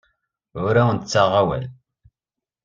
Ur awent-ttaɣeɣ awal.